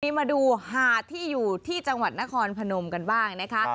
มาดูหาดที่อยู่ที่จังหวัดนครพนมกันบ้างนะคะ